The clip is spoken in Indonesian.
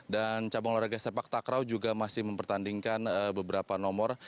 dan cabang olahraga sepak takraw juga masih mempertandingkan beberapa nomor